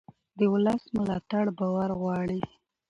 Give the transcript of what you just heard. د ولس ملاتړ باور غواړي